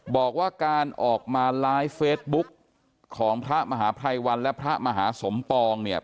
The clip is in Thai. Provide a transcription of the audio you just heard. บอกว่าการออกมาไลฟ์เฟซบุ๊กของพระมหาภัยวันและพระมหาสมปองเนี่ย